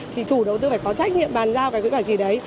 thì chủ đầu tư phải có trách nhiệm bàn giao cái quỹ bảo trì đấy